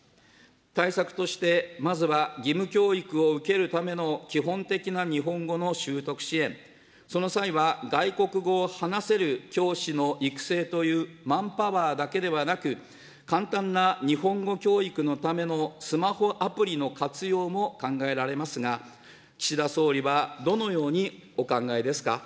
対策として、まずは義務教育を受けるための基本的な日本語の習得支援、その際は外国語を話せる教師の育成というマンパワーだけではなく、簡単な日本語教育のためのスマホアプリの活用も考えられますが、岸田総理はどのようにお考えですか。